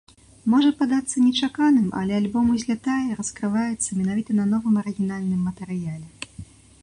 Можа падацца нечаканым, але альбом узлятае і раскрываецца менавіта на новым арыгінальным матэрыяле.